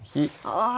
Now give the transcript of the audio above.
ああ！